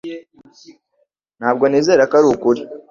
Ntabwo nizera ko arukuri